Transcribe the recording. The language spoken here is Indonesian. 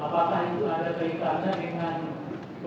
paling kooperatif pak